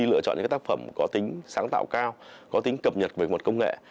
lựa chọn những tác phẩm có tính sáng tạo cao có tính cập nhật về một công nghệ